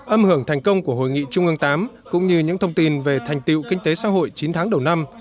âm hưởng thành công của hội nghị trung ương viii cũng như những thông tin về thành tiệu kinh tế xã hội chín tháng đầu năm